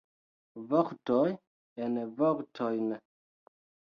Vortoj en vortojn.